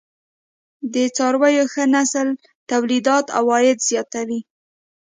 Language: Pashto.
د څارويو ښه نسل تولیدات او عاید زیاتوي.